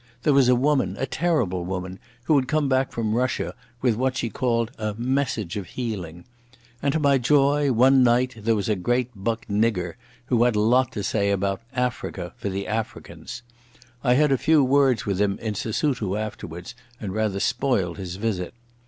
There was a woman, a terrible woman, who had come back from Russia with what she called a "message of healing". And to my joy, one night there was a great buck nigger who had a lot to say about "Africa for the Africans". I had a few words with him in Sesutu afterwards, and rather spoiled his visit.